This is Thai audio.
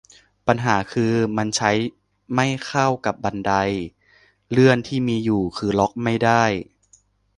ปัญหาคือ มันใช้ไม่เข้ากับบันไดเลื่อนที่มีอยู่ คือล็อกไม่ได้